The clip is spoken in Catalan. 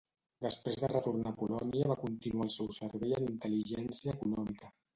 Desprès de retornar a Polònia va continuar el seu servei en intel·ligència econòmica.